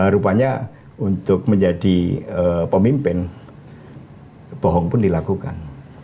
rupanya untuk menjadi pemimpin bohong pun dilakukan